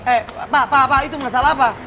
ehh pak pak pak itu masalah apa